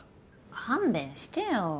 勘弁してよ。